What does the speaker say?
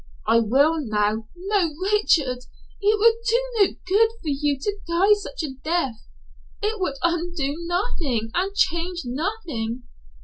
I will now " "No, Richard; it would do no good for you to die such a death. It would undo nothing, and change nothing.